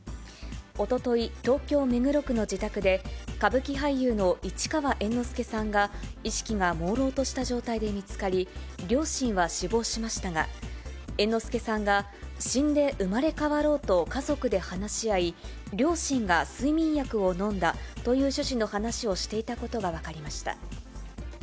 おととい、東京・目黒区の自宅で、歌舞伎俳優の市川猿之助さんが意識がもうろうとした状態で見つかり、両親は死亡しましたが、猿之助さんが死んで生まれ変わろうと家族で話し合い、両親が睡眠薬を飲んだという趣旨の話をしていたことが分かりました。